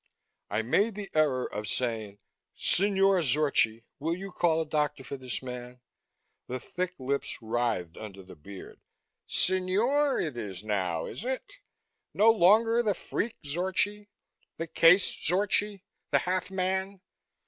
I made the error of saying, "Signore Zorchi, will you call a doctor for this man?" The thick lips writhed under the beard. "Signore it is now, is it? No longer the freak Zorchi, the case Zorchi, the half man?